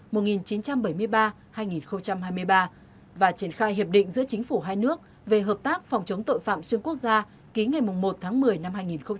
mùa một nghìn chín trăm bảy mươi ba hai nghìn hai mươi ba và triển khai hiệp định giữa chính phủ hai nước về hợp tác phòng chống tội phạm xuyên quốc gia ký ngày một tháng một mươi năm hai nghìn hai mươi ba